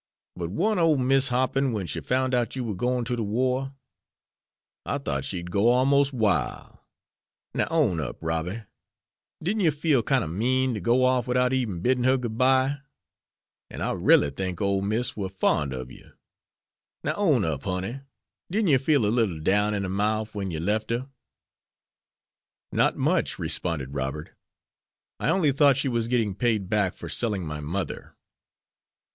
But warn't ole Miss hoppin' wen she foun' out you war goin' to de war! I thought she'd go almos' wile. Now, own up, Robby, didn't you feel kine ob mean to go off widout eben biddin' her good bye? An' I ralely think ole Miss war fon' ob yer. Now, own up, honey, didn't yer feel a little down in de mouf wen yer lef' her." "Not much," responded Robert. "I only thought she was getting paid back for selling my mother."